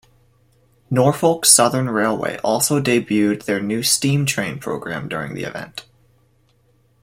Norfolk Southern Railway also debuted their new steam train program during the event.